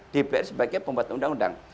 karena dpr sebagai pembuat undang undang